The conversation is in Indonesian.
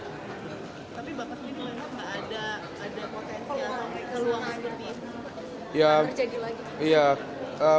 tapi bapak ini memang tidak ada potensi atau peluang seperti ini